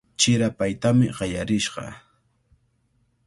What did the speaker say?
Chirapaytami qallarishqa.